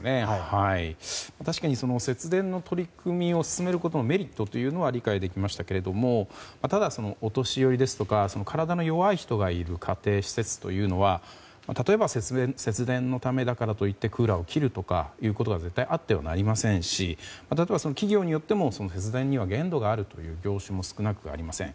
確かに節電の取り組みを進めるメリットというのは理解できましたけどただ、お年寄りですとか体の弱い人がいる家庭、施設というのは例えば節電のためだからといってクーラーを切るということは絶対あってはなりませんし例えば、企業によっても節電には限度があるという業種も少なくありません。